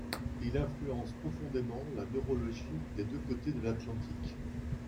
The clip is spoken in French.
Il influence profondément la neurologie des deux côtés de l'Atlantique.